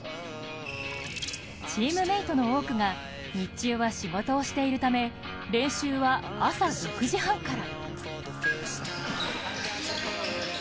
チームメートの多くが日中は仕事をしているため練習は朝６時半から。